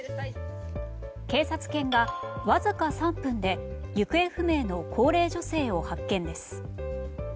警察犬が、わずか３分で行方不明の高齢女性を発見です。